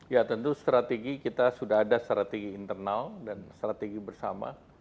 ya tentu strategi kita sudah ada strategi internal dan strategi bersama